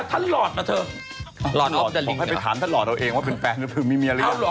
ขอให้ไปถามท่านหลอดตัวเองว่าเป็นแฟนหรือเป็นเมียหรือยัง